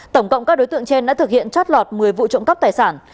tổng cộng các đối tượng trên đã thực hiện trót lọt một mươi vụ trộm cắp tài sản